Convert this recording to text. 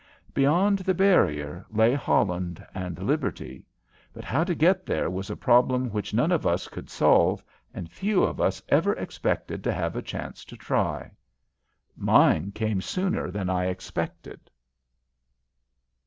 Beyond the barrier lay Holland and liberty, but how to get there was a problem which none of us could solve and few of us ever expected to have a chance to try. Mine came sooner than I expected.